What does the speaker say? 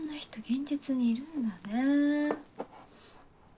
現実にいるんだねえ